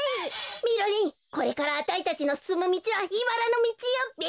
みろりんこれからあたいたちのすすむみちはいばらのみちよべ。